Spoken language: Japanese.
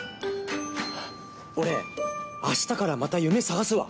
俺明日からまた夢探すわ！